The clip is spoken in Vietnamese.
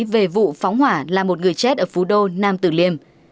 về vụ phóng hỏa là một người chết ở phú đô nam tử liêm